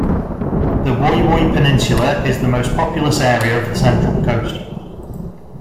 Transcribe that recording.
The Woy Woy Peninsula is the most populous area of the Central Coast.